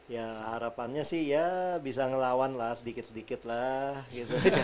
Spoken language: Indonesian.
ya harapannya sih ya bisa ngelawan lah sedikit sedikit lah gitu